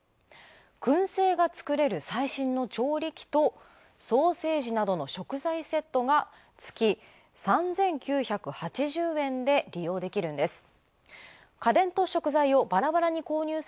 くん製が作れる最新の調理器とソーセージなどの食材セットが月３９８０円で利用できるんです。